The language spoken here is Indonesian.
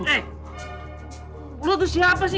eh lo tuh siapa sih